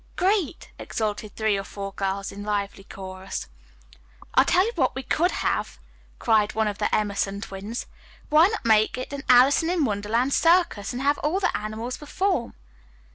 "Great!" exulted three or four girls, in lively chorus. "I'll tell you what we could have," cried one of the Emerson twins. "Why not make it an 'Alice in Wonderland Circus,' and have all the animals perform?"